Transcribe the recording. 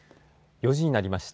４時になりました。